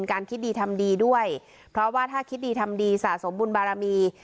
คิดดีทำดีด้วยเพราะว่าถ้าคิดดีทำดีสะสมบุญบารมี